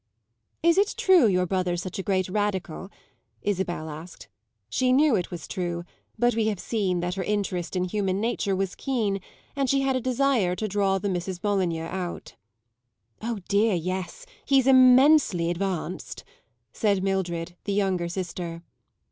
"Is it true your brother's such a great radical?" Isabel asked. She knew it was true, but we have seen that her interest in human nature was keen, and she had a desire to draw the Misses Molyneux out. "Oh dear, yes; he's immensely advanced," said Mildred, the younger sister.